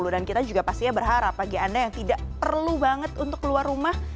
dan kita juga pastinya berharap bagi anda yang tidak perlu banget untuk keluar rumah